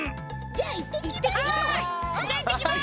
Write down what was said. じゃあいってきます。